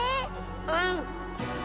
うん。